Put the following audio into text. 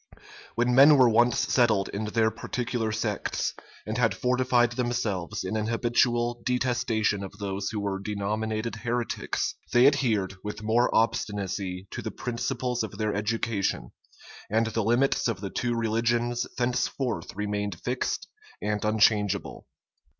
When men were once settled in their particular sects, and had fortified themselves in an habitual detestation of those who were denominated heretics, they adhered with more obstinacy to the principles of their education; and the limits of the two religions thenceforth remained fixed and unchangeable.